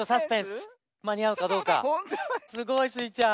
すごいスイちゃん。